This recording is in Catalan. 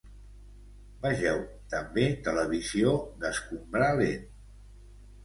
Vegeu també Televisió d'escombrat lent.